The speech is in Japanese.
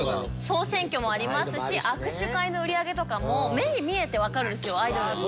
総選挙もありますし握手会の売り上げとかも目に見えてわかるんですよアイドルって。